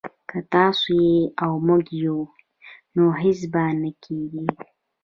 که تاسو يئ او موږ يو نو هيڅ به نه کېږي